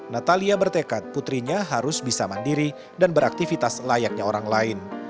natalia bertekad putrinya harus bisa mandiri dan beraktivitas layaknya orang lain